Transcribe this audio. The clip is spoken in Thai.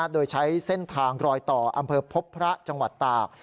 โดยใช้เส้นทางรอยต่ออำเภอพบพระจังหวัดตาก